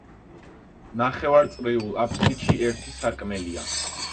ნახევარწრიულ აფსიდში ერთი სარკმელია.